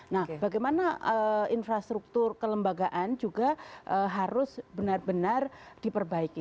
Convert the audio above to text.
nah bagaimana infrastruktur kelembagaan juga harus benar benar diperbaiki